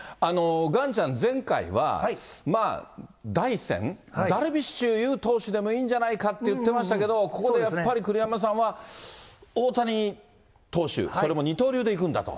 岩ちゃん、前回は、第１戦、ダルビッシュ有投手でもいいんじゃないかって言ってましたけど、ここでやっぱり栗山さんは、大谷投手、それも二刀流でいくんだと。